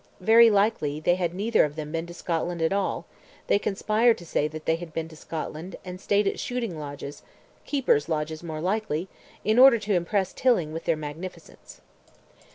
Very likely they had neither of them been to Scotland at all: they conspired to say that they had been to Scotland and stayed at shooting lodges (keepers' lodges more likely) in order to impress Tilling with their magnificence.